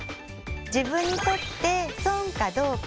自分にとって損かどうか。